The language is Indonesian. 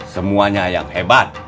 semuanya yang hebat